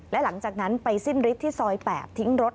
และหลังจากนั้นไปสิ้นฤทธิ์ที่ซอย๘ทิ้งรถ